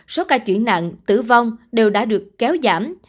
số ca chuyển nặng tử vong đều đã được kéo giảm